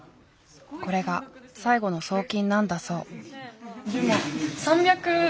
これが最後の送金なんだそう。